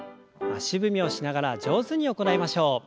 足踏みをしながら上手に行いましょう。